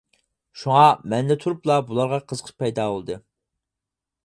شۇڭا، مەندە تۇرۇپلا بۇلارغا قىزىقىش پەيدا بولدى.